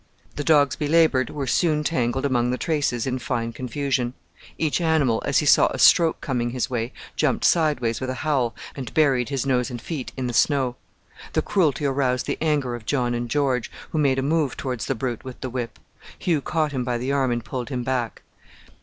The dogs belaboured were soon tangled among the traces in fine confusion. Each animal, as he saw a stroke coming his way, jumped sideways with a howl and buried his nose and feet in the snow. The cruelty aroused the anger of John and George, who made a move towards the brute with the whip. Hugh caught him by the arm and pulled him back.